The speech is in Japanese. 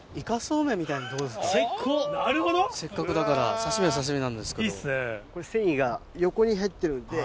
せっかくだから刺し身は刺し身なんですけど。